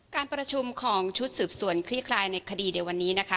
การประชุมของชุดสืบสวนคลี่คลายในคดีในวันนี้นะคะ